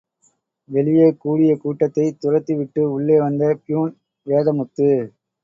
வெளியே கூடிய கூட்டத்தை துரத்திவிட்டு உள்ளே வந்த பியூன் வேதமுத்து.